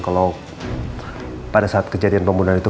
kalau pada saat kejadian pembunuhan itu